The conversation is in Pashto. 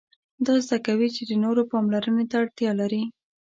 دا زده کوي چې د نورو پاملرنې ته اړتیا لري.